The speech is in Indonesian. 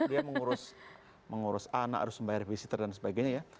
dia mengurus anak harus membayar visitor dan sebagainya ya